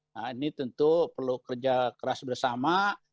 nah ini tentu perlu kerja keras bersama